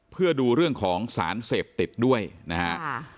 เพื่อดูเรื่องของสารเสพติดด้วยนะฮะ